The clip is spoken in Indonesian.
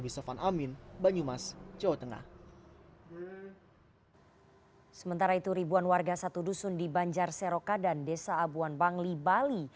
sementara itu ribuan warga satu dusun di banjar seroka dan desa abuan bangli bali